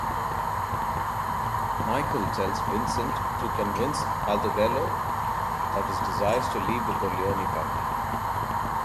Michael tells Vincent to convince Altobello of his desires to leave the Corleone family.